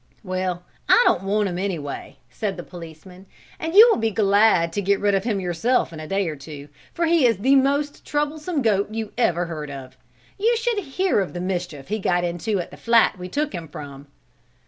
"Well, I don't want him anyway," said the policeman, "and you will be glad to get rid of him yourself in a day or two for he is the most troublesome goat you ever heard of. You should hear of the mischief he got into at the flat we took him from."